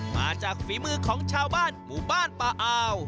มาจากฝีมือของชาวบ้านหมู่บ้านปะอาว